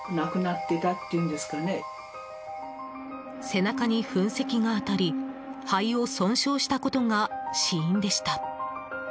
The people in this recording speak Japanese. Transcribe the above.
背中に噴石が当たり肺を損傷したことが死因でした。